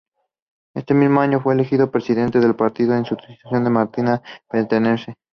Ese mismo año fue elegido presidente de su partido en sustitución de Marita Petersen.